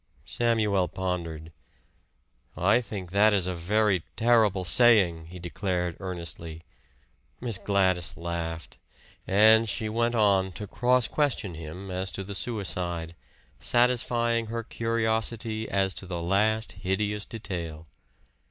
Samuel pondered. "I think that is a very terrible saying," he declared earnestly. Miss Gladys laughed. And she went on to cross question him as to the suicide satisfying her curiosity as to the last hideous detail.